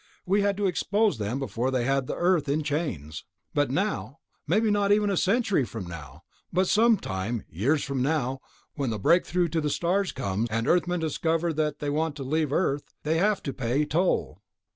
We had to expose them before they had the Earth in chains ... not now, maybe not even a century from now, but sometime, years from now, when the breakthrough to the stars comes and Earthmen discover that if they want to leave Earth they have to pay toll...."